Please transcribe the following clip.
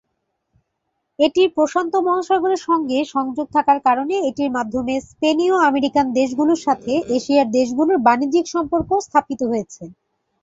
এটির প্রশান্ত মহাসাগরের সংগে সংযোগ থাকার কারণে, এটির মাধ্যমে স্পেনীয় আমেরিকান দেশগুলোর সাথে এশিয়ার দেশ গুলোর বাণিজ্যিক সম্পর্ক স্থাপিত হয়েছে।